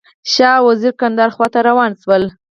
شاه او وزیر کندهار خواته روان شول.